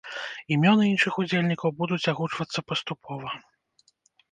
Імёны іншых удзельнікаў будуць агучвацца паступова.